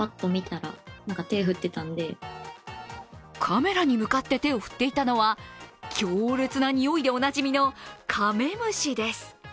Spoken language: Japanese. カメラに向かって手を振っていたのは強烈な臭いでおなじみのカメムシです。